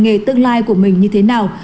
nghề tương lai của mình như thế nào